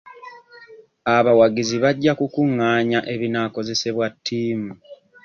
Abawagizi bajja kukungaanya ebinaakozesebwa ttiimu.